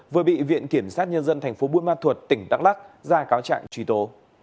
vừa bị viện kiểm sát nhân dân tp buôn ma thuột tỉnh đắk lắc ra cáo trạng truy tố